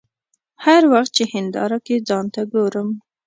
هر وخت چې هنداره کې ځان ته ګورم.